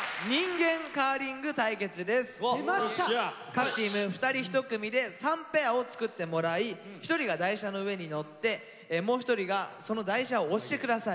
各チーム２人１組で３ペアを作ってもらい１人が台車の上に乗ってもう１人がその台車を押して下さい。